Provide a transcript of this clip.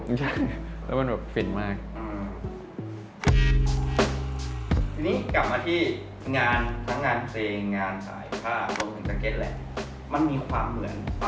มันมีความเหมือนความต่างความชอบไม่ชอบยังไงบ้าง